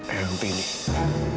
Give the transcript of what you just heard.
eh penting ini